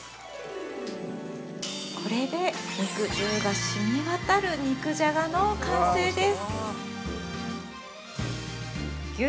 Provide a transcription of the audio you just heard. これで、肉汁がしみわたる肉じゃがの完成です。